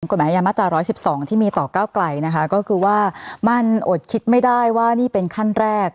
มายามาตรา๑๑๒ที่มีต่อก้าวไกลนะคะก็คือว่ามันอดคิดไม่ได้ว่านี่เป็นขั้นแรก